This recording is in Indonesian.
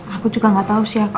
aku juga gak tau sih aku